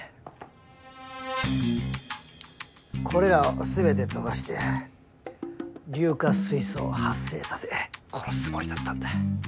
これらを全て溶かして硫化水素を発生させ殺すつもりだったんだ。